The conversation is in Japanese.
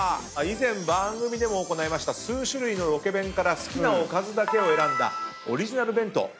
以前番組でも行いました数種類のロケ弁から好きなおかずだけを選んだオリジナル弁当。